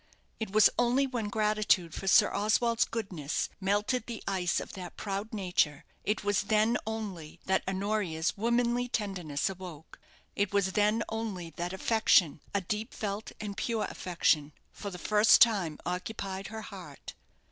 It was only when gratitude for Sir Oswald's goodness melted the ice of that proud nature it was then only that Honoria's womanly tenderness awoke it was then only that affection a deep felt and pure affection for the first time occupied her heart.